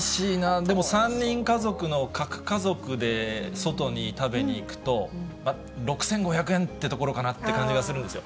でも３人家族の核家族で外に食べに行くと、６５００円というところかなという感じがするんですよ。